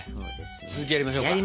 続きやりましょうか！